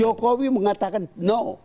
jokowi mengatakan no